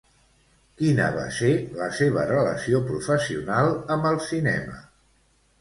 Quina va ser la seva relació professional amb el cinema?